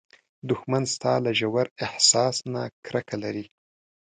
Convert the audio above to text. دښمن ستا له ژور احساس نه کرکه لري